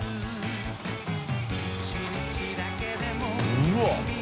うわっ！